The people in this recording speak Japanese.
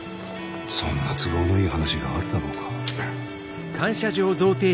そんな都合のいい話があるだろうか？